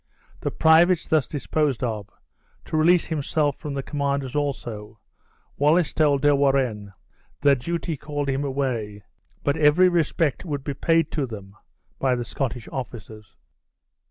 The privates thus disposed of, to release himself from the commanders also, Wallace told De Warenne that duty called him away, but every respect would be paid to them by the Scottish officers.